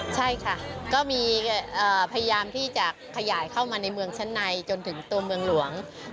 ใช่ค่ะก็มีพยายามที่จะขยายเข้ามาในเมืองชั้นในจนถึงตัวเมืองหลวง